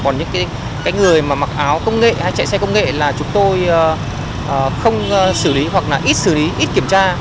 còn những người mà mặc áo công nghệ hay chạy xe công nghệ là chúng tôi không xử lý hoặc là ít xử lý ít kiểm tra